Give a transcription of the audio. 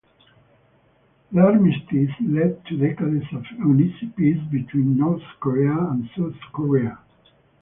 The armistice led to decades of uneasy peace between North Korea and South Korea.